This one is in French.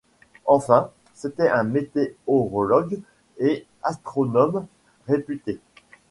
Enfin, c'était un météorologue et astronome réputé.